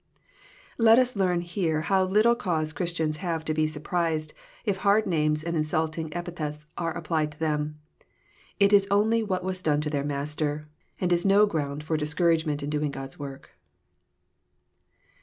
Let us learn here how little cause Christians have to be sur prised, if hard names and insulting epithets are applied to them. It is only what was done to their Master, and is no ground for discouragement in doing God*s work.